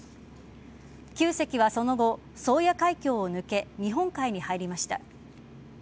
９隻はその後、宗谷海峡を抜け日本海に入りました。